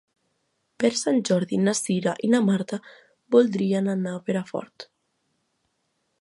Per Sant Jordi na Cira i na Marta voldrien anar a Perafort.